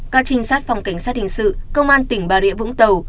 các trinh sát phòng cảnh sát hình sự công an tỉnh bà rịa vũng tàu